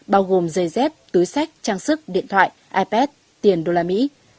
bao gồm dây dép túi sách trang sức điện thoại ip tiền đô la mỹ